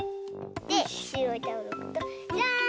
でしろいタオルをおくとじゃん！